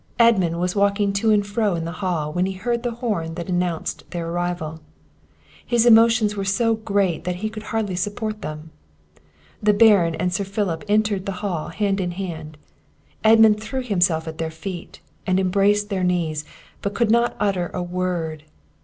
Edmund was walking to and fro in the hall, when he heard the horn that announced their arrival; his emotions were so great that he could hardly support them. The Baron and Sir Philip entered the hall hand in hand; Edmund threw himself at their feet, and embraced their knees, but could not utter a word.